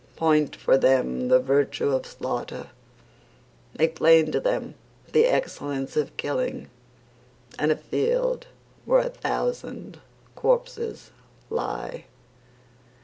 Point for them the virtue of slaughter, Make plain to them the excellence of killing And a field where a thousand corpses lie.